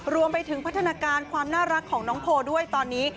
รวมไปถึงพัฒนาการความน่ารักของน้องโพด้วยตอนนี้